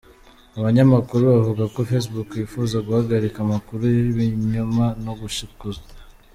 Abanyamakuru bavuga ko Facebook yifuza guhagarika amakuru y'ibinyoma no gushikuza.